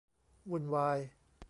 วุ่นวาย